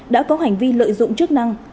đã có hành vi lợi dụng chức năng